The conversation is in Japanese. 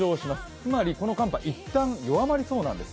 つまりこの寒波、いったん弱まりそうなんです。